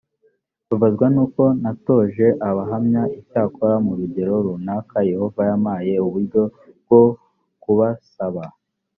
mbabazwa n uko natoteje abahamya icyakora mu rugero runaka yehova yampaye uburyo bwo kubasaba